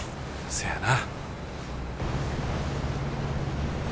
せやな。